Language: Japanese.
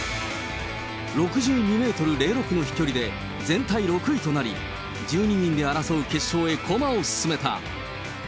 ６２メートル０６の飛距離で全体６位となり、１２人で争う決勝へ駒を進めた。